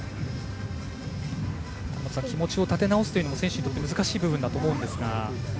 気持ちを立て直すというのも選手にとっては難しい部分だと思うんですが。